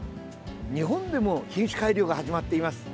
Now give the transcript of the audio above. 日本でも品種改良が始まっています。